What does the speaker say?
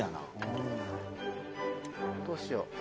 どうしよ。